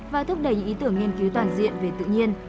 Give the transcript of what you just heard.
và thúc đẩy những ý tưởng nghiên cứu toàn diện về tự nhiên